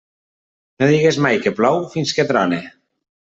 No digues mai que plou fins que trone.